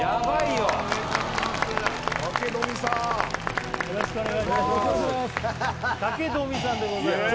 よろしくお願いします